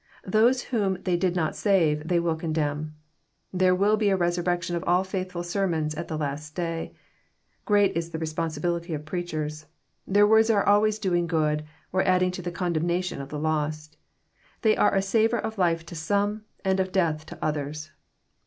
Those whom they did not save they will condemn. There will be a resurrection of all faithfbl sermona at the last day. — Great is the responsibility of preachers I Their words are always doing good, or adding to the condemnation of the lost. They are a savour of life to some, and of death to others.